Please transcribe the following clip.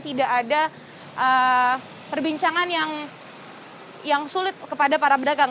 tidak ada perbincangan yang sulit kepada para pedagang